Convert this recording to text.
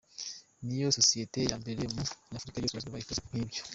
Niyo sosiyete ya mbere muri Afurika y’Iburasirazuba ikoze nk’ibyo.